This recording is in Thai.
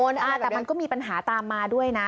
แต่มันก็มีปัญหาตามมาด้วยนะ